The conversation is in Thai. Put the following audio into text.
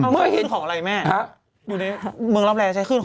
เมื่อเห็นอะไรแม่มึงลับแร้ใช้ขึ้นของอะไร